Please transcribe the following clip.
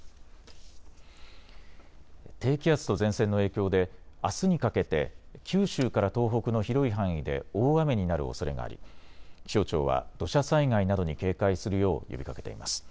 低気圧と前線の影響であすにかけて九州から東北の広い範囲で大雨になるおそれがあり気象庁は土砂災害などに警戒するよう呼びかけています。